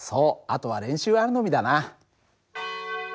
あとは練習あるのみだな。